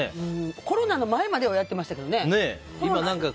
コロナの前まではやってましたけどね。